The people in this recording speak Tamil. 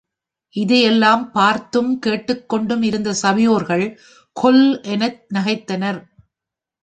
இதையெல்லாம் பார்த்தும் கேட்டுக்கொண்டும் இருந்த சபையோர்கள் கொல் என நகைத்தனர்!